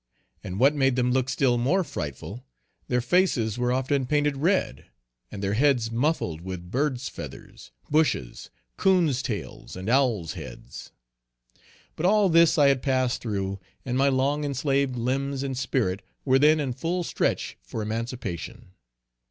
And what made them look still more frightful, their faces were often painted red, and their heads muffled with birds feathers, bushes, coons tails and owls heads. But all this I had passed through, and my long enslaved limbs and spirit were then in full stretch for emancipation.